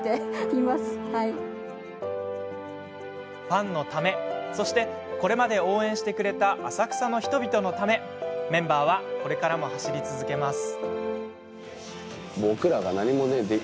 ファンのため、そしてこれまで応援してくれた浅草の人々のためメンバーはこれからも走り続けます。